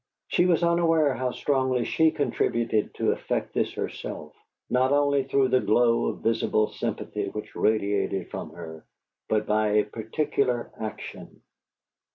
She was unaware how strongly she contributed to effect this herself, not only through the glow of visible sympathy which radiated from her, but by a particular action.